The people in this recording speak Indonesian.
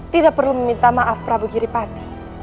tidak perlu meminta maaf prabu giripati